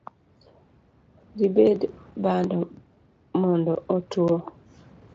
Dhibet bando mondo otwo.